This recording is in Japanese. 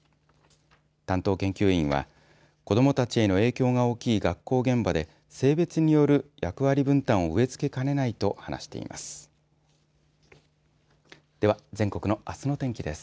担当研究員は子どもたちへの影響が大きい学校現場で性別による役割分担を植え付けかねないと話しています。